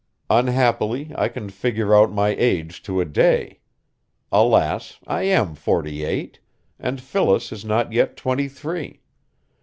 Unhappily I can figure out my age to a day. Alas, I am forty eight, and Phyllis is not yet twenty three.